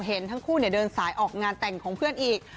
เห็นทั้งคู่เดินสายออกงานแต่งของเพื่อนอีก